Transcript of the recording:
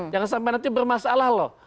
jangan sampai nanti bermasalah loh